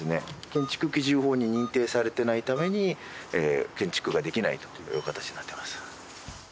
建築基準法に認定されてないために建築ができないという形になってます。